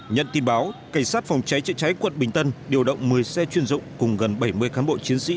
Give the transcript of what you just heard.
nhận tin báo cảnh sát phòng cháy chữa cháy quận bình tân điều động một mươi xe chuyên dụng cùng gần bảy mươi cán bộ chiến sĩ